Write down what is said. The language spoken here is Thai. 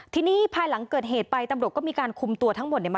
ทีนี้ภายหลังเกิดเหตุไปตำรวจก็มีการคุมตัวทั้งหมดเนี่ย